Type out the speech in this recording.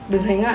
đừng thấy ngại